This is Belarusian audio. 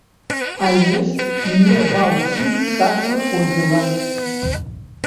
Але ж не ва ўсіх так выходзіла.